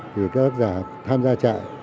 thì các tác giả tham gia trại